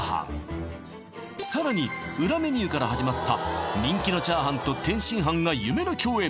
さらに裏メニューから始まった人気の炒飯と天津飯が夢の共演